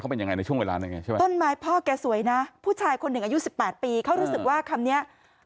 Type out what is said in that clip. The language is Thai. เค้าเป็นยังไงในช่วงเวลานี้